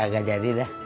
gak jadi dah